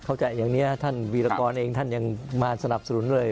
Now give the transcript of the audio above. อย่างนี้ท่านวีรกรเองท่านยังมาสนับสนุนเลย